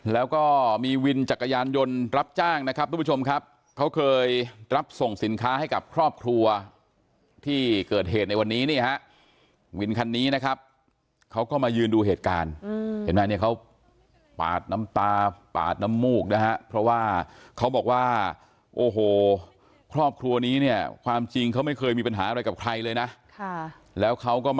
แล้วก็มีวินจักรยานยนต์รับจ้างนะครับทุกผู้ชมครับเขาเคยรับส่งสินค้าให้กับครอบครัวที่เกิดเหตุในวันนี้นี่ฮะวินคันนี้นะครับเขาก็มายืนดูเหตุการณ์เห็นไหมเนี่ยเขาปาดน้ำตาปาดน้ำมูกนะฮะเพราะว่าเขาบอกว่าโอ้โหครอบครัวนี้เนี่ยความจริงเขาไม่เคยมีปัญหาอะไรกับใครเลยนะค่ะแล้วเขาก็มา